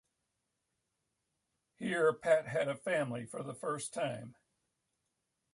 Here, Pat had a family for the first time.